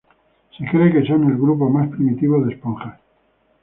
Se cree que son el grupo más primitivo de esponjas.